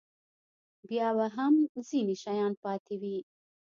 بیا به هم ځینې شیان پاتې وي.